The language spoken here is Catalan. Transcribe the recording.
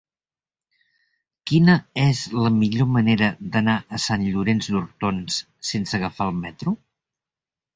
Quina és la millor manera d'anar a Sant Llorenç d'Hortons sense agafar el metro?